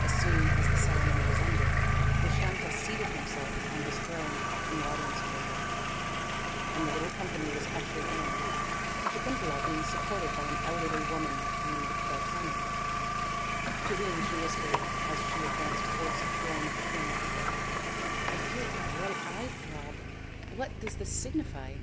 As soon as the ceremony was ended Dushyanta seated himself on his throne in the audience chamber, and the little company was ushered in, Sakuntala being supported by an elderly woman named Gau tami, to whom she whispered, as she advanced towards the throne of the king, " I feel my right eye throb what does this signify?"